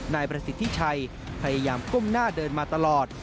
นายประสิทธิชัยพยายามก้มหน้าเดินมาตลอด